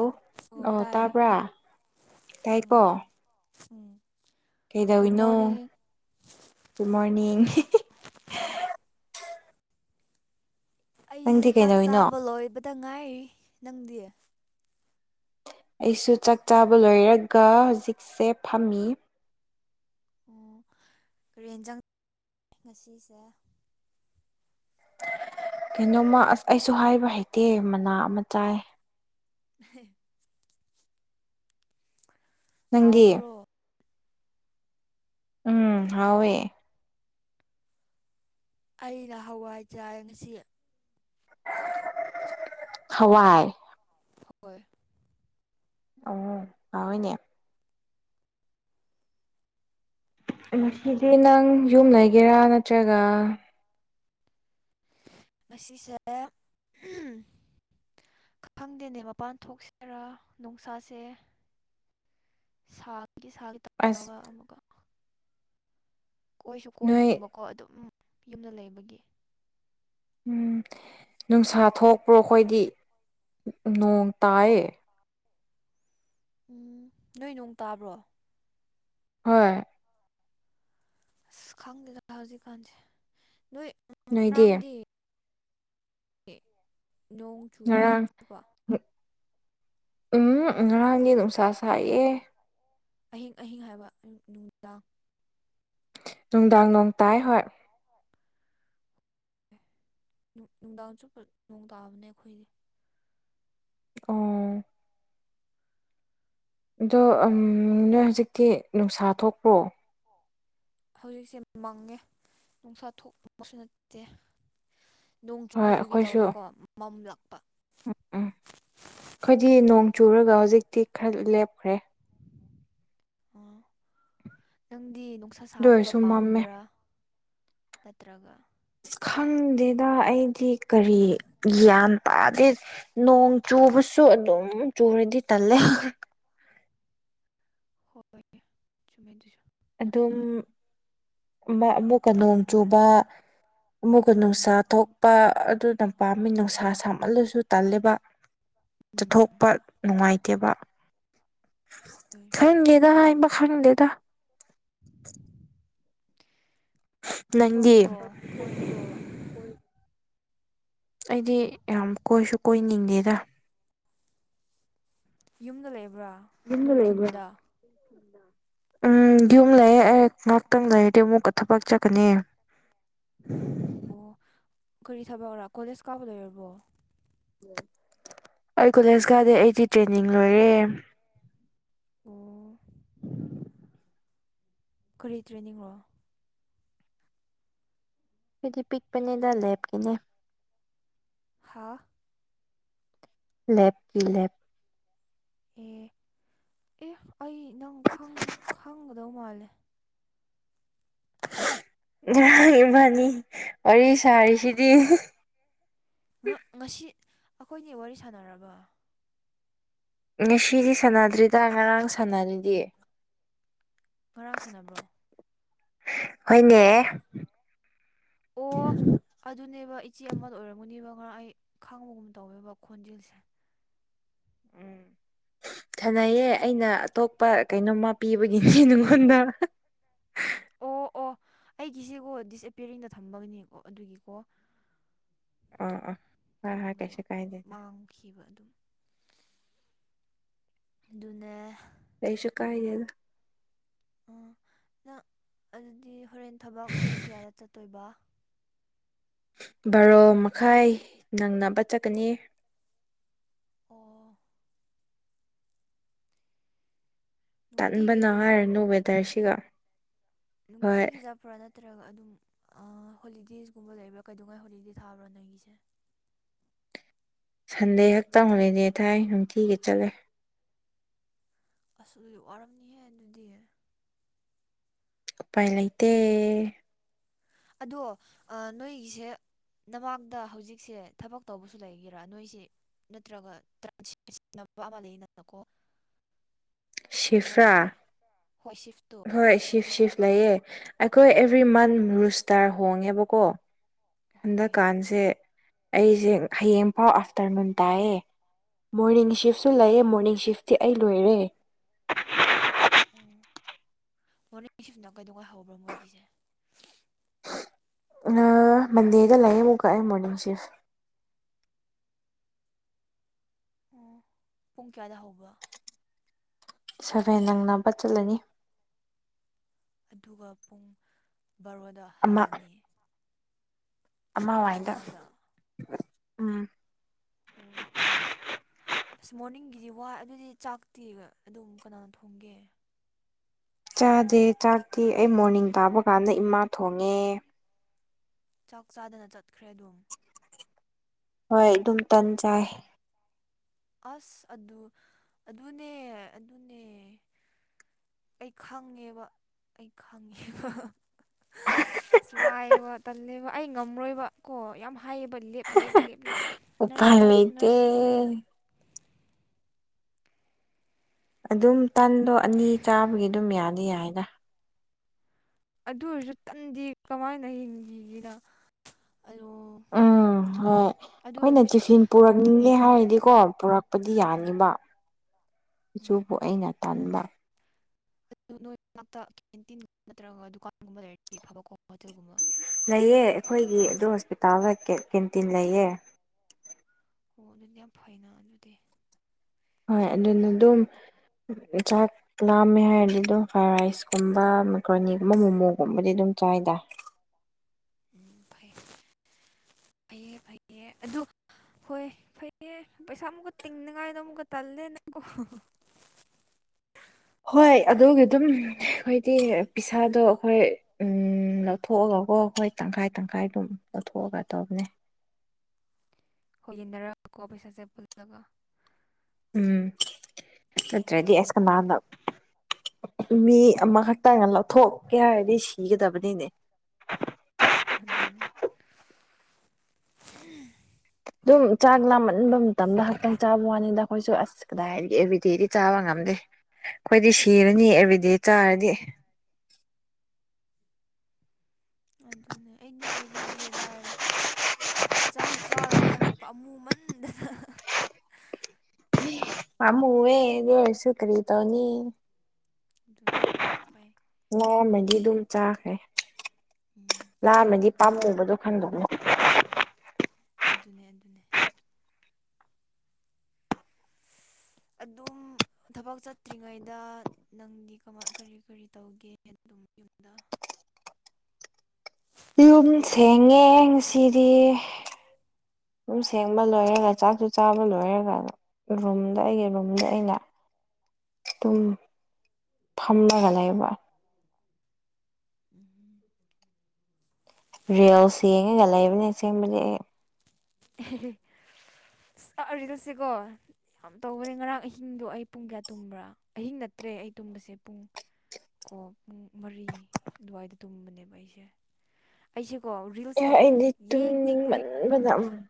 ꯑꯣ ꯑꯣ ꯇꯥꯏ ꯇꯥꯏꯀꯣ ꯎꯝ ꯎꯝ ꯒꯨꯗ ꯀꯩꯗꯧꯅꯣ ꯃꯣꯔꯅꯤꯡ ꯒꯨꯗ ꯃꯣꯔꯅꯤꯡ ꯑꯩꯁꯦ ꯅꯪꯗꯤ ꯆꯥꯛ ꯀꯩꯗꯧꯔꯤꯅꯣ ꯆꯥꯕ ꯂꯣꯏꯕꯗ ꯉꯥꯏꯔꯤ ꯅꯪꯗꯤ ꯑꯩꯁꯨ ꯆꯥꯛ ꯆꯥꯕ ꯂꯣꯏꯔꯒ ꯍꯧꯖꯤꯛꯁꯦ ꯐꯝꯃꯤ ꯑꯣ ꯀꯔꯤ ꯏꯟꯖꯥꯡ ꯉꯁꯤꯁꯦ ꯀꯩꯅꯣꯃ ꯑꯁ ꯑꯩꯁꯨ ꯍꯥꯏꯕ ꯍꯩꯇꯦ ꯃꯅꯥ ꯑꯃ ꯆꯥꯏ [unintelligible] ꯅꯪꯗꯤ ꯍꯥꯎꯕ꯭ꯔꯣ ꯎꯝ ꯍꯧꯏꯋꯦ ꯑꯩꯅ ꯍꯋꯥꯏ ꯆꯥꯏ ꯉꯁꯤ ꯍꯋꯥꯥꯏ ꯍꯣꯏ ꯑꯣ [unintelligible] ꯉꯁꯦ ꯅꯪ ꯌꯨꯝ ꯂꯩꯒꯦꯔꯥ ꯅꯠꯇ꯭ꯔꯒ ꯉꯁꯤꯁꯦ ꯈꯪꯗꯦꯅꯦ ꯃꯄꯥꯟ ꯊꯣꯛꯁꯤꯔꯥ ꯅꯨꯡꯁꯥꯁꯦ ꯁꯥꯒꯤ ꯁꯥꯒꯤ ꯑꯁ ꯇꯥꯔꯒ ꯑꯃꯒ ꯀꯣꯏꯁꯨ ꯅꯣꯏ ꯀꯣꯏꯅꯤꯡꯕꯀꯣ ꯑꯗꯨꯝ ꯌꯨꯝꯗ ꯂꯩꯕꯒꯤ ꯎꯝ ꯅꯨꯡꯁꯥ ꯊꯣꯛꯄ꯭ꯔꯣ ꯑꯩꯈꯣꯏꯗꯤ ꯅꯣꯡ ꯇꯥꯏꯌꯦ ꯎꯝ ꯅꯣꯏ ꯅꯣꯡ ꯇꯥꯕ꯭ꯔꯣ ꯍꯣꯏ ꯑꯁ ꯈꯪꯗꯦꯗ ꯍꯧꯖꯤꯛꯀꯥꯟꯁꯦ ꯅꯣꯏ ꯅꯣꯏꯗꯤ ꯉꯔꯥꯡꯗꯤ ꯅꯣꯡ ꯆꯨꯕ꯭ꯔꯥ ꯑꯍꯤꯡ ꯉꯔꯥꯡ ꯆꯨꯕ ꯎꯝ ꯉꯔꯥꯡꯗꯤ ꯅꯨꯡꯁꯥ ꯁꯥꯏꯌꯦ ꯑꯍꯤꯡ ꯑꯍꯤꯡ ꯍꯥꯏꯕ ꯅꯨꯡꯗꯥꯡ ꯅꯨꯡꯗꯥꯡ ꯅꫭꯡ ꯇꯥꯏ ꯍꯣꯏ ꯅꯨꯡꯗꯥꯡꯁꯨ ꯅꫭꯡ ꯇꯥꯕꯅꯦ ꯑꯩꯈꯣꯏꯗꯤ ꯑꯣ ꯑꯗꯣ ꯅꯣꯏ ꯍꯧꯖꯤꯛꯇꯤ ꯅꯨꯡꯁꯥ ꯊꯣꯛꯄ꯭ꯔꯣ ꯍꯧꯖꯤꯛꯁꯦ ꯃꯪꯉꯦ ꯅꯨꯡꯁꯥ ꯊꯣꯛꯄꯁꯨ ꯅꯠꯇꯦ ꯅꯣꯡ ꯍꯣꯏ ꯆꯨꯈꯤ ꯆꯨꯈꯤ ꯑꯩꯈꯣꯏꯁꯨ ꯇꯧꯅꯀꯣ ꯃꯝꯂꯛꯄ ꯎꯝ ꯑꯩꯈꯣꯏꯗꯤ ꯅꯣꯡ ꯆꯨꯔꯒ ꯍꯧꯖꯤꯛꯇꯤ ꯈꯔ ꯂꯦꯞꯈ꯭ꯔꯦ ꯑꯣ ꯅꯪꯗꯤ ꯅꯨꯡꯁꯥ ꯑꯗꯨ ꯁꯥꯕ ꯑꯣꯏꯔꯁꯨ ꯃꯝꯃꯦ ꯄꯥꯝꯕ꯭ꯔꯥ ꯅꯠꯇ꯭ꯔꯒ ꯑꯁ ꯈꯪꯗꯦꯗ ꯑꯩꯗꯤ ꯀꯔꯤ ꯒ꯭ꯌꯥꯟ ꯇꯥꯗꯦ ꯅꯣꯡ ꯆꯨꯕꯁꯨ ꯑꯗꯨꯝ ꯆꯨꯨꯔꯗꯤ ꯇꯜꯂꯦ ꯍꯣꯏ ꯆꯨꯝꯃꯦ ꯑꯗꯨꯁꯨ ꯑꯗꯨꯝ ꯑꯃꯨꯛꯀ ꯅꯣꯡ ꯆꯨꯕ ꯑꯃꯨꯛꯀ ꯅꯨꯡꯁꯥ ꯊꯣꯛꯄ ꯑꯗꯨꯅ ꯄꯥꯝꯃꯤ ꯅꯨꯡꯁꯥ ꯁꯥꯝꯍꯜꯂꯁꯨ ꯇꯜꯂꯤꯕ ꯎꯝ ꯆꯠꯊꯣꯛꯄ ꯅꯨꯡꯉꯥꯏꯇꯦꯕ ꯍꯣꯏ ꯈꯪꯗꯦꯗ ꯍꯥꯏꯕ ꯈꯪꯗꯦꯗ ꯅꯪꯗꯤ ꯊꯣꯛꯇ꯭ꯔꯣ ꯀꯣꯏꯕ ꯑꯩꯗꯤ ꯌꯥꯝ ꯀꯣꯏꯁꯨ ꯀꯣꯏꯅꯤꯡꯗꯦꯗ ꯌꯨꯝꯗ ꯂꯩꯕ꯭ꯔꯥ ꯌꯨꯝꯗ ꯂꯩꯕ꯭ꯔꯥ ꯅꯨꯡꯈꯨꯟꯗ ꯎꯝ ꯌꯨꯝ ꯂꯩꯌꯦꯦ ꯑꯦ ꯉꯥꯏꯍꯥꯛꯇꯪ ꯂꯩꯔꯗꯤ ꯑꯃꯨꯛꯀ ꯊꯕꯛ ꯆꯠꯀꯅꯤ ꯑꯣ ꯀꯔꯤ ꯊꯕꯛꯧꯔꯥ ꯀꯣꯂꯦꯖ ꯀꯥꯕ ꯂꯩꯣꯏꯔꯕꯣ ꯑꯩ ꯀꯣꯂꯦꯖ ꯀꯥꯗꯩ ꯑꯩꯗꯤ ꯇ꯭ꯔꯦꯅꯤꯡ ꯂꯣꯏꯔꯦ ꯑꯣꯥ ꯀꯔꯤ ꯇ꯭ꯔꯦꯅꯤꯡꯔꯣ ꯐꯗꯤ ꯄꯤꯛ ꯄꯗ ꯂꯦꯞꯀꯤꯅꯦ ꯍꯥꯥ ꯂꯦꯞꯀꯤ ꯂꯦꯞ ꯑꯦ ꯑꯦ ꯑꯩ ꯅꯪ ꯈꯪꯒꯗꯧ ꯃꯥꯜꯂꯦ ꯉꯔꯥꯡ ꯏꯕꯥꯅꯤ ꯋꯥꯔꯤ ꯁꯥꯔꯤꯁꯤꯗꯤ ꯉꯁꯤ ꯑꯩꯈꯣꯏꯅꯤ ꯋꯥꯔꯤ ꯁꯥꯟꯅꯔꯕ ꯉꯁꯤꯗꯤ ꯁꯥꯟꯅꯗ꯭ꯔꯤꯗ ꯉꯔꯥꯡ ꯁꯥꯟꯅꯔꯤꯗꯤ ꯉꯔꯥꯡ ꯁꯥꯟꯅꯕ꯭ꯔꯣ ꯍꯣꯏꯅꯦ ꯑꯣꯐ ꯑꯗꯨꯅꯦꯕ ꯏꯆꯦ ꯑꯃꯗ ꯑꯣꯏꯔꯝꯒꯨꯅꯦꯕ ꯉꯔ ꯑꯩ ꯈꯥꯡꯕꯒꯨꯝ ꯇꯧꯋꯦꯕ ꯈꯣꯟꯖꯦꯜꯁꯦ ꯎꯝ ꯈꯅꯩꯌꯦ ꯑꯩꯅ ꯑꯇꯣꯞꯄ ꯀꯩꯅꯣꯝꯃ ꯄꯤꯕꯒꯤꯅꯦ ꯅꯉꯣꯟꯗ ꯑꯣ ꯑꯣ ꯑꯩꯒꯤꯁꯤꯀꯣ ꯗꯤꯁꯑꯄꯤꯌꯔꯤꯡꯗ ꯊꯝꯕꯒꯤꯅꯦꯀꯣ ꯑꯗꯨꯒꯤꯀꯣ ꯑꯥ ꯑꯥ ꯍꯣꯏ ꯍꯥ ꯀꯁ ꯀꯥꯏ ꯗ ꯈꯤꯕ ꯑꯗꯨꯝ ꯑꯗꯨ ꯑꯗꯨꯅꯦ ꯀꯩꯁꯨ ꯀꯥꯏꯗꯦꯗ ꯑꯥ ꯅꯪ ꯑꯗꯨꯗꯤ ꯍꯣꯔꯦꯟ ꯊꯕꯛ ꯄꯨꯡ ꯀꯌꯥꯗ ꯆꯠꯇꯣꯏꯕ ꯕꯥꯔꯣ ꯃꯈꯥꯏ ꯅꯪꯅꯕ ꯆꯠꯀꯅꯤ ꯑꯣ ꯅꯨꯡꯇꯤꯒꯤ ꯇꯟꯕꯅ ꯑꯗꯨꯝ ꯍꯥꯏꯔꯅꯨ ꯋꯦꯗꯔꯁꯤꯒ ꯅꯨꯡꯇꯤ ꯍꯣꯏ ꯀꯖꯥ ꯐꯕ꯭ꯔꯥ ꯅꯠꯇ꯭ꯔꯒ ꯑꯗꯨꯝ ꯍꯣꯂꯤꯗꯦꯁꯒꯨꯝꯕ ꯂꯩꯕ꯭ꯔꯥ ꯀꯩꯗꯧꯉꯥꯏ ꯍꯣꯂꯤꯗꯦ ꯊꯥꯕ꯭ꯔꯥ ꯅꯣꯏꯒꯤꯁꯦ ꯁꯟꯗꯦ ꯈꯛꯇꯪꯂꯤꯅꯦ ꯊꯥꯏ ꯅꯨꯡꯊꯤꯒꯤ ꯆꯠꯂꯦ ꯑꯁ ꯋꯥꯔꯝꯅꯤꯍꯦ ꯑꯗꯨꯗꯤ ꯎꯄꯥꯏ ꯂꯩꯇꯦ ꯑꯗꯣ ꯅꯣꯏꯒꯤꯁꯦ ꯅꯃꯥꯛꯗ ꯍꯧꯖꯤꯛꯁꯦ ꯊꯕꯛ ꯇꯧꯕꯁꯨ ꯂꯩꯒꯦꯔꯥ ꯅꯣꯏꯁꯤ ꯅꯠꯇ꯭ꯔꯒꯟꯅꯕ ꯑꯃ ꯂꯩꯅꯅꯀꯣ [unintelligible] ꯁꯤꯐ꯭ꯔꯥ ꯑꯗꯨꯃꯥꯏ꯭ꯔꯥ ꯍꯣꯏ ꯁꯤꯐ ꯍꯣꯏ ꯁꯤꯐ ꯁꯤꯐ ꯂꯩꯌꯦ ꯑꯩꯈꯣꯏ ꯑꯦꯕ꯭ꯔꯤ ꯃꯟ ꯔꯨꯁꯇꯥꯔ ꯍꯣꯡꯉꯦꯕꯀꯣ ꯍꯣꯏ ꯍꯟꯗꯛꯀꯥꯟꯁꯦ ꯑꯩꯁꯦ ꯍꯌꯦꯡꯐꯥꯎ ꯑꯥꯐꯇꯔꯅꯨꯟ ꯇꯥꯏꯑꯦ ꯃꯣꯔꯅꯤꯡ ꯁꯤꯐꯁꯨ ꯂꯩꯑꯦ ꯃꯣꯔꯅꯤꯡ ꯁꯤꯐꯇꯤ ꯑꯩ ꯂꯣꯏꯔꯦ ꯎꯝ ꯃꯣꯔꯅꯤꯡ ꯁꯤꯗ ꯀꯩꯗꯧꯉꯥꯏ ꯍꯧꯕ꯭ꯔꯥ ꯃꯣꯏꯒꯤꯁꯦ ꯃꯟꯗꯦꯗ ꯂꯩꯥꯛꯌꯦꯦ ꯑꯃꯨꯛ ꯀꯛꯑꯦ ꯃꯣꯔꯅꯤꯡ ꯁꯤꯐ ꯑꯣ ꯄꯨꯡ ꯀꯌꯥꯗ ꯍꯧꯕ ꯁꯚꯦꯟ ꯅꯪꯅꯄꯥ ꯆꯠꯂꯅꯤ ꯑꯗꯨꯒ ꯄꯨꯡ ꯕꯥꯔꯣꯗ ꯍꯜꯂꯅꯤ ꯄꯨꯡ ꯑꯃꯥꯡꯋꯥꯏꯗ ꯑꯃꯗ ꯎꯝ ꯑꯣ ꯑꯁ ꯃꯣꯔꯅꯤꯡꯒꯤꯗꯤ ꯋꯥꯏ ꯑꯗꯨꯗꯤ ꯆꯥꯛꯇꯤꯒ ꯑꯗꯨꯝ ꯀꯅꯥꯅ ꯊꯣꯡꯒꯦ ꯆꯥꯗꯦ ꯆꯥꯛꯇꯤ ꯑꯩ ꯃꯣꯔꯅꯤꯡ ꯇꯥꯕ ꯀꯥꯟꯗ ꯏꯃꯥ ꯊꯣꯡꯉꯦ ꯆꯥꯛ ꯆꯥꯗꯅ ꯆꯠꯈ꯭ꯔꯦ ꯑꯗꯨꯝ ꯍꯣꯏ ꯑꯗꯨꯝ ꯇꯟ ꯆꯥꯏ ꯑꯁ ꯑꯗꯨ ꯑꯗꯨꯅꯦ ꯑꯗꯨꯅꯦ ꯑꯩ ꯈꯪꯉꯦꯕ ꯑꯩ ꯈꯪꯉꯦꯕ [unintelligible] ꯋꯥꯏꯑꯦꯕ ꯇꯜꯂꯦꯕ ꯑꯩ ꯉꯝꯔꯣꯏꯕ ꯀꯣ ꯌꯥꯝ ꯍꯥꯏꯌꯦꯕ ꯂꯦꯞ ꯂꯦꯞ ꯂꯦꯞ ꯂꯦꯞ ꯅꯔꯁ ꯅꯔꯁ ꯅꯔꯁ ꯑꯦ ꯑꯗꯨꯝ ꯇꯟꯗꯣ ꯑꯅꯤ ꯆꯥꯕꯒꯤ ꯑꯗꯨꯝ ꯌꯥꯗꯝ ꯌꯥꯏꯗ ꯑꯗꯨ ꯑꯣꯏꯔꯁꯨ ꯇꯟꯗꯤ ꯀꯃꯥꯏꯅ ꯍꯤꯡꯈꯤ [unintelligible] ꯎꯝ ꯍꯣꯏ ꯑꯩꯈꯣꯏꯅ ꯇꯤꯐꯤꯟ ꯄꯨꯔꯛꯅꯤꯡꯉꯦ ꯍꯣꯏ ꯍꯥꯏꯔꯗꯤꯀꯣ ꯄꯣꯔꯛ ꯄꯗꯤ ꯎꯝ ꯌꯥꯅꯤꯕ ꯎꯝ ꯑꯗꯨꯕꯨ ꯑꯩꯅ ꯇꯟꯕ ꯑꯗꯨ ꯅꯣꯏ ꯃꯅꯥꯛꯇ ꯀꯦꯟꯇꯤꯟ ꯅꯠꯇ꯭ꯔꯒ ꯗꯨꯀꯥꯟꯒꯨꯝꯕ ꯂꯩꯔꯗꯤ ꯐꯕꯀꯣ ꯍꯣꯇꯦꯜꯒꯨꯝꯕ ꯂꯩꯑꯧ ꯑꯩꯈꯣꯏꯒꯤ ꯑꯗꯨ ꯍꯣꯁꯄꯤꯇꯥꯜꯗ ꯀꯦꯟꯇꯤꯟ ꯂꯩꯌꯦ ꯑꯣ ꯑꯗꯨꯗꯤ ꯌꯥꯝ ꯐꯩꯅ ꯑꯗꯨꯗꯤ ꯍꯣꯏ ꯑꯗꯨꯅꯤ ꯑꯗꯨꯝ ꯆꯥꯛ ꯂꯥꯝꯃꯦ ꯍꯥꯏꯔꯗꯤ ꯑꯗꯨꯝ ꯐ꯭ꯔꯥꯏ ꯔꯥꯏꯁꯀꯨꯝꯕ ꯃꯦꯀ꯭ꯔꯣꯅꯤꯒꯨꯝꯕ ꯃꯣꯃꯣꯒꯨꯝꯕꯗꯤ ꯑꯗꯨꯝ ꯆꯥꯏꯗꯥ ꯎꯝ ꯐꯩ ꯐꯩꯌꯦ ꯐꯩꯌꯦ ꯑꯗꯨ ꯍꯣꯏ ꯐꯩꯌꯦ ꯄꯩꯁꯥ ꯑꯃꯨꯛꯀ ꯇꯤꯡꯅꯤꯉꯥꯏꯗꯣ ꯑꯃꯨꯛꯀ ꯇꯜꯂꯦ ꯅꯀꯣ ꯍꯣꯏ ꯑꯗꯨꯒꯤ ꯑꯗꯨꯝ ꯑꯩꯈꯣꯏꯗꯤ ꯄꯩꯁꯥꯗꯣ ꯑꯩꯈꯣꯏ ꯎꯝ ꯂꯧꯊꯣꯛꯑꯒꯀꯣ ꯑꯩꯈꯣꯏ ꯇꯪꯈꯥꯏ ꯇꯪꯈꯥꯏ ꯑꯗꯨꯝ ꯂꯧꯊꯣꯛꯑꯒ ꯇꯧꯕꯅꯦ ꯍꯣꯏ ꯌꯦꯟꯅꯔꯒꯀꯣ ꯄꯩꯁꯥꯁꯦ ꯄꯨꯜꯂꯒ ꯎꯝ ꯅꯠꯇ꯭ꯔꯗꯤ ꯑꯁ ꯀꯅꯥꯅ ꯃꯤ ꯑꯃꯈꯛꯇꯪꯅ ꯂꯧꯊꯣꯛꯀꯦ ꯍꯥꯏꯔꯗꯤ ꯁꯤꯒꯗꯕꯅꯤꯅꯦ ꯑꯗꯨꯅꯦ [unintelligible] ꯑꯗꯨꯝ ꯆꯥꯛ ꯂꯥꯝꯃꯟꯕ ꯃꯇꯝꯗ ꯈꯛꯇꯪ ꯆꯥꯕ ꯋꯥꯅꯤꯗ ꯑꯩꯈꯣꯏꯁꯨ ꯑꯁ ꯀꯗꯥꯏꯗꯩ ꯑꯦꯕ꯭ꯔꯤꯗꯦꯗꯤ ꯆꯥꯕ ꯉꯝꯗꯦ ꯑꯩꯈꯣꯏꯗꯤ ꯁꯤꯔꯅꯤ ꯑꯦꯕꯔꯤꯗꯦ ꯆꯥꯔꯗꯤ ꯑꯗꯨꯅꯦ ꯑꯩꯗꯤ ꯑꯦꯕꯔ꯭ꯤꯗꯦ ꯂꯥꯏꯔꯤ ꯆꯥꯁꯨ ꯆꯥꯔꯣꯏꯗ ꯄꯥꯃꯨꯃꯟ ꯃꯟꯗꯅ ꯄꯥꯝꯃꯨꯏꯌꯦ ꯑꯗꯨ ꯑꯣꯏꯁꯨ ꯀꯔꯤ ꯇꯧꯅꯤ ꯑꯗꯨꯅꯦ ꯀꯔꯤ ꯎꯄꯥꯏ ꯂꯥꯞꯃꯗꯤ ꯑꯗꯨꯝ ꯆꯥꯈ꯭ꯔꯦ ꯎꯝ ꯂꯥꯝꯃꯗꯤ ꯄꯥꯝꯃꯨꯕꯗꯣ ꯈꯟꯗꯕꯅꯦ ꯑꯗꯨꯅꯦ ꯑꯗꯨꯅꯦ ꯑꯗꯨꯝ ꯊꯕꯛ ꯆꯠꯇ꯭ꯔꯤꯉꯩꯗ ꯅꯪꯗꯤ ꯀꯃꯥꯏ ꯀꯔꯤ ꯀꯔꯤ ꯇꯧꯒꯦ ꯑꯗꯨꯝ ꯌꯨꯝꯗ ꯊꯕꯛ ꯌꯨꯝ ꯆꯠꯍꯧꯗ꯭ꯔꯤꯉꯩ ꯁꯦꯡꯉꯦ ꯉꯁꯤꯗꯤ ꯎꯝ ꯌꯨꯝ ꯁꯦꯡꯕ ꯂꯣꯏꯔꯒ ꯆꯥꯛꯁꯨ ꯆꯥꯕ ꯂꯣꯏꯔꯒ ꯔꯨꯝꯗ ꯑꯩꯒꯤ ꯔꯨꯝꯗ ꯑꯩꯅ ꯑꯗꯨꯝ ꯐꯝꯃꯒ ꯂꯩꯕ ꯎꯝ ꯔꯤꯜꯁ ꯌꯦꯡꯉꯒ ꯂꯩꯕꯅꯤ ꯑꯁꯦꯡꯕꯗꯤ ꯑꯩ [unintelligible] ꯑꯁ ꯔꯤꯜꯂꯁꯦꯀꯣ ꯌꯥꯝ ꯇꯧꯕꯅꯦ ꯉꯔꯥꯡ ꯑꯍꯤꯡꯗꯣ ꯑꯩ ꯄꯨꯡ ꯀꯌꯥ ꯇꯨꯝꯕ꯭ꯔꯥ ꯑꯍꯤꯡ ꯅꯠꯇ꯭ꯔꯦ ꯑꯩ ꯇꯨꯝꯕꯁꯦ ꯄꯨꯡ ꯀꯣ ꯄꯨꯡ ꯃꯔꯤ ꯑꯗꯨꯋꯥꯏꯗ ꯇꯨꯝꯕꯅꯦꯕ ꯑꯩꯁꯦ ꯑꯩꯁꯦꯀꯣ ꯑꯦ ꯔꯤꯜꯁꯁꯦ ꯑꯩꯗꯤ ꯌꯦꯡ ꯍꯣꯏ [unintelligible]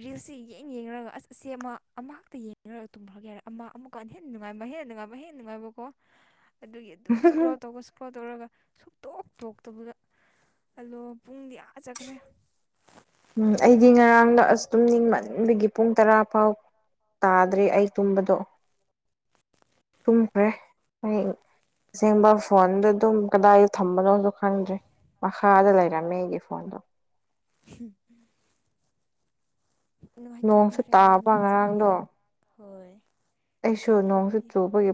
ꯔꯤꯜꯁꯁꯤ ꯌꯦꯡ ꯌꯦꯡꯔꯒ ꯑꯁ ꯑꯁꯤ ꯑꯃ ꯑꯃ ꯈꯛꯇ ꯌꯦꯡꯉꯔꯒ ꯇꯨꯝꯈ꯭ꯔꯒꯦ ꯍꯥꯏꯔ ꯑꯃ ꯑꯃꯨꯛ ꯀꯣ ꯍꯦꯟꯅꯅꯨꯡꯉꯥꯏꯕ ꯍꯦꯟꯅ ꯅꯨꯡꯉꯥꯏꯕ ꯍꯦꯟ ꯅꯨꯡꯉꯥꯏꯕ ꯀꯣ [inaudible] ꯑꯗꯨꯒꯤ ꯑꯗꯨꯝ ꯏꯁꯀ꯭ꯔꯣꯜ ꯇꯧꯕ ꯏꯁꯀ꯭ꯔꯣꯜ ꯇꯧꯔꯒ ꯁꯨꯝ ꯇꯣꯛ ꯇꯣꯛꯇꯕꯗꯣ ꯑꯂꯣ ꯄꯨꯡꯗꯤ ꯑꯥ ꯆꯠꯈ꯭ꯔꯦ ꯎꯝ ꯑꯩꯗꯤ ꯉꯔꯥꯡꯗ ꯑꯁ ꯇꯨꯝ ꯅꯤꯡꯃꯕꯒꯤ ꯄꯨꯡ ꯇꯔꯥ ꯐꯥꯎ ꯇꯥꯗ꯭ꯔꯦ ꯑꯩ ꯇꯨꯝꯕꯗꯣ ꯇꯨꯝꯈ꯭ꯔꯦ ꯍꯌꯦꯡ ꯑꯁꯦꯡꯕ ꯐꯣꯟꯗ ꯑꯗꯨꯝ ꯀꯗꯥꯏꯗ ꯊꯝꯕꯅꯣꯗ ꯈꯪꯗ꯭ꯔꯦ ꯃꯈꯥꯗ ꯂꯩꯔꯝꯃꯦ ꯑꯩꯒꯤ ꯐꯣꯟꯗꯣ [unintelligible] ꯅꯨꯡꯉꯥꯏ ꯅꯣꯡꯁꯨ ꯇꯨꯝꯈ꯭ꯔꯦ ꯉꯔꯥꯡ ꯇꯥꯕ ꯅꯣꯡ ꯆꯨꯕꯒꯤ ꯉꯔꯥꯡꯗꯣ ꯍꯣꯏ ꯑꯩꯁꯨ ꯅꯣꯡꯁꯨ ꯆꯨꯕꯒꯤ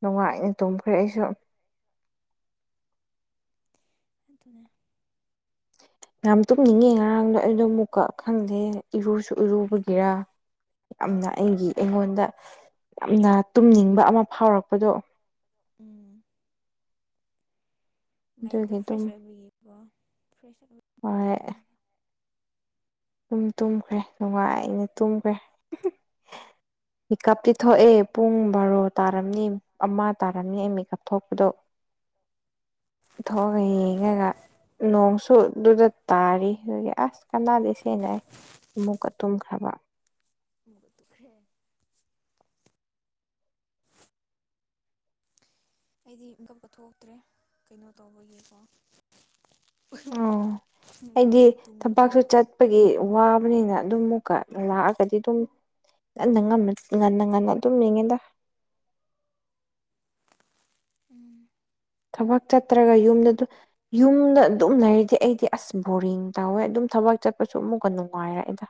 ꯅꯨꯡꯉꯥꯏꯅ ꯇꯨꯝꯈ꯭ꯔꯦ ꯑꯩꯁꯨ ꯍꯇꯅꯦ ꯌꯥꯝ ꯇꯨꯝꯅꯤꯡꯉꯦ ꯉꯔꯥꯡꯗꯣ ꯑꯩꯗꯣ ꯑꯃꯨꯛꯀꯛ ꯈꯪꯗꯦ ꯏꯔꯨꯁꯨ ꯏꯔꯨꯕꯒꯤꯔ ꯌꯥꯝꯅ ꯑꯩꯒꯤ ꯑꯩꯉꯣꯟꯗ ꯌꯥꯝꯅ ꯇꯨꯝꯅꯤꯡꯕ ꯑꯃ ꯐꯥꯎꯔꯛꯄꯗꯣ ꯎꯝ ꯃꯥꯏꯟꯗꯣ ꯑꯗꯨꯒꯤ ꯑꯗꯨꯝ ꯐ꯭ꯔꯦꯁ ꯑꯣꯏꯕꯒꯤꯀꯣ ꯐ꯭ꯔꯦꯁ ꯑꯣꯏ ꯍꯣꯏ ꯑꯗꯨꯝ ꯇꯨꯝꯈ꯭ꯔꯦ ꯅꯨꯡꯉꯥꯏꯅ ꯇꯨꯝꯈ꯭ꯔꯦ ꯃꯤꯠꯀꯞꯇꯤ ꯊꯣꯛꯑ ꯄꯨꯡ ꯕꯥꯔꯣꯗ ꯇꯥꯔꯝꯅꯤ ꯑꯃ ꯇꯥꯔꯝꯅꯤ ꯑꯩ ꯃꯤꯠꯀꯞ ꯊꯣꯛꯄꯗꯣ ꯊꯣꯛꯑꯒ ꯌꯦꯡꯉꯒ ꯅꯣꯡꯁꯨ ꯑꯗꯨꯗ ꯇꯥꯔꯤ ꯑꯗꯨꯗꯒꯤ ꯑꯁ ꯀꯥꯅꯗꯦ ꯊꯦꯡꯅꯥꯏ ꯑꯃꯨꯛꯀ ꯇꯨꯝꯈ꯭ꯔꯕ ꯃꯨꯕ ꯇꯨꯈ꯭ꯔꯦ ꯑꯩꯗꯤ ꯏꯀꯞꯄ ꯊꯣꯛꯇ꯭ꯔꯦ ꯀꯩꯅꯣ ꯇꯧꯕꯒꯤꯀꯣ ꯑꯣ ꯑꯩꯗꯤ ꯃꯤꯗ ꯇꯨꯡꯗꯨ ꯊꯕꯛꯁꯨ ꯆꯠꯄꯒꯤ ꯋꯥꯕꯅꯤꯅ ꯑꯗꯨꯝ ꯑꯃꯨꯛꯀ ꯂꯥꯛꯑꯒꯗꯤ ꯑꯗꯨꯝ ꯉꯟꯅ ꯉ ꯉꯟꯅ ꯉꯟꯅ ꯑꯗꯨꯝ ꯌꯦꯡꯉꯦꯗ ꯎꯝ ꯊꯕꯛ ꯆꯠꯇ꯭ꯔꯒ ꯌꯨꯝꯗ ꯑꯗꯨ ꯌꯨꯝꯗ ꯑꯗꯨꯝ ꯂꯩꯔꯤꯗꯤ ꯑꯩꯗꯤ ꯑꯁ ꯕꯣꯔꯤꯡ ꯇꯧꯋꯦ ꯑꯗꯨꯝ ꯊꯕꯛ ꯆꯠꯄꯁꯨ ꯑꯃꯨꯛꯀ ꯅꯨꯡꯉꯥꯏꯔꯦꯗ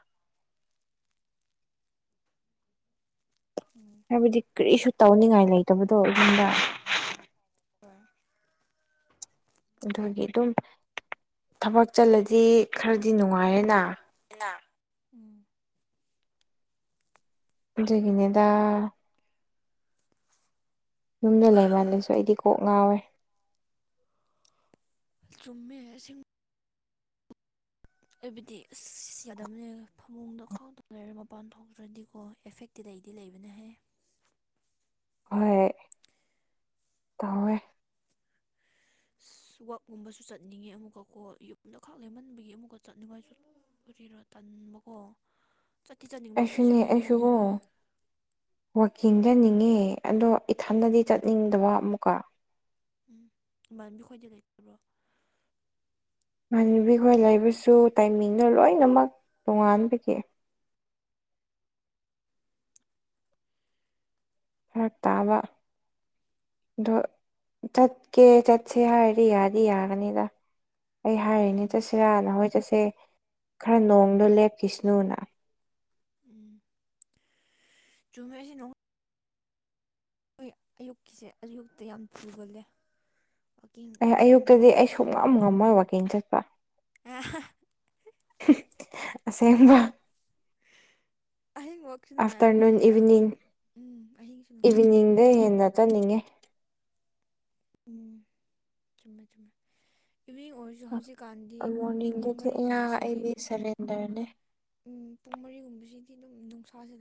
ꯎꯝ ꯍꯥꯏꯕꯗꯤ ꯀꯔꯤꯁꯨ ꯇꯧꯅꯤꯡꯉꯥꯏ ꯂꯩꯇꯕꯗꯣ ꯑꯩꯨꯝꯗ ꯍ ꯑꯗꯨꯒꯤ ꯑꯗꯨꯝ ꯊꯕꯛ ꯆꯠꯂꯗꯤ ꯈꯔꯗꯤ ꯅꯨꯡꯉꯥꯏꯔꯦꯅ ꯎꯝ ꯑꯗꯨꯒꯤꯅꯦꯗꯗꯥ ꯌꯨꯝꯗ ꯂꯩꯃꯜꯂꯁꯨ ꯑꯩꯗꯤ ꯀꯣꯛ ꯉꯥꯎꯋꯦ ꯆꯨꯝꯃꯦ ꯏꯁꯤꯡ ꯍꯥꯏꯕꯗꯤ ꯑꯁ ꯌꯥꯗꯕꯅꯦ ꯐꯃꯨꯡꯗ ꯈꯥꯎꯗ ꯂꯩꯔꯦ ꯃꯄꯥꯟ ꯊꯣꯛꯇ꯭ꯔꯗꯤꯀꯣ ꯑꯦꯐꯦꯛ ꯇꯤ ꯂꯩꯇꯗꯤ ꯂꯩꯕꯅ ꯍꯥꯏ ꯍꯣꯏ ꯇꯧꯋꯦ ꯑ ꯋꯥꯛꯀꯨꯝꯕꯁꯨ ꯆꯠꯅꯤꯡꯉꯦ ꯑꯃꯨꯛꯀꯣ ꯌꯨꯝꯗꯈꯥꯛ ꯂꯩꯦꯝꯍꯟꯕꯒꯤ ꯑꯃꯨꯛꯀ ꯆꯠꯅꯤꯡꯉꯥꯏꯁꯨ ꯔꯣ ꯇꯟꯕ ꯀꯣ ꯆꯥꯊꯤ ꯆꯥꯅꯤꯡꯕ ꯑꯩꯁꯨꯅꯦ ꯐ꯭ꯔꯤꯖꯒꯨꯝꯕ ꯐꯪꯉꯌꯦꯦ ꯑꯩꯁꯨꯀꯣ ꯋꯥꯛꯀꯤꯡ ꯆꯅꯤꯡꯉꯤ ꯑꯗꯣ ꯏꯊꯟꯗꯗꯤ ꯆꯠꯅꯤꯡꯗꯕ ꯑꯃꯨꯛꯀ ꯎꯝ ꯏꯕꯥꯅꯕꯤꯈꯣꯏꯗꯤ ꯂꯩꯇꯕ꯭ꯔꯣ ꯏꯥꯟꯅꯕꯤ ꯈꯣꯏ ꯂꯩꯕꯁꯨ ꯇꯥꯏꯃꯤꯡꯅ ꯂꯣꯏꯅꯃꯛ ꯇꯣꯉꯥꯟꯕꯒꯤ ꯐꯔꯛ ꯇꯥꯕ ꯑꯗꯣ ꯆꯠꯀꯦ ꯆꯠꯁꯦ ꯍꯥꯏꯗꯤ ꯌꯥꯗꯤ ꯌꯥꯒꯅꯤꯗ ꯑꯩ ꯍꯥꯏꯔꯤꯅꯦ ꯎꯝ ꯆꯠꯁꯤꯔꯥ ꯅ ꯍꯣꯏ ꯆꯠꯁꯦ ꯈꯔ ꯅꯣꯡꯗꯣ ꯂꯦꯞꯀꯤꯁꯅꯨꯅ ꯎꯝ ꯆꯨꯝꯃꯦꯁꯤ ꯅꯣꯡ ꯍꯣꯏ ꯑꯌꯨꯛꯀꯤꯁꯦ ꯑꯌꯨꯛꯇ ꯌꯥꯝ ꯊꯨꯒꯜꯂꯦ ꯋꯥꯛꯀꯤꯡ ꯆꯦꯟꯟꯅꯉꯥꯏ ꯃꯇꯝ ꯑꯝ ꯉꯝꯃꯣꯏ ꯋꯥꯀꯤꯡ ꯆꯠꯄ ꯑꯁꯦꯡꯕ ꯑꯍꯤꯡꯃꯛꯁꯨ ꯑꯥꯐꯇꯔꯅꯨꯟ ꯅꯨꯡꯉꯥꯏꯕꯅꯦꯍꯦ ꯏꯚꯤꯅꯤꯡ ꯑꯍꯣꯏ ꯎꯝ ꯑꯍꯤꯡꯁꯨ ꯅꯨꯡꯉꯥꯏ ꯍꯣꯏ ꯏꯚꯤꯅꯤꯡꯗ ꯍꯦꯟꯅ ꯆꯠꯅꯤꯡꯉꯦ ꯎꯝ ꯆꯨꯝꯃꯦ ꯆꯨꯝꯃꯦ ꯏꯚ ꯑꯣꯏ ꯍꯧ ꯍꯧꯖꯤꯛꯀꯥꯟꯗꯤ ꯄꯨꯡ ꯃꯣꯔꯅꯤꯡꯗꯗꯤ ꯑꯩ ꯃꯔꯤꯒꯨꯝꯕꯁꯤꯗꯤ ꯑꯩꯗꯤ ꯁꯔꯦꯟꯗꯔꯅꯦ ꯎꯝ ꯄꯨꯡ ꯃꯔꯤꯒꯨꯝꯕꯁꯤꯗꯤ ꯑꯗꯨꯝ ꯅꯨꯡꯁꯥꯥ ꯂꯩ